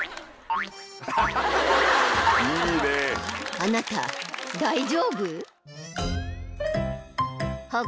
［あなた大丈夫？］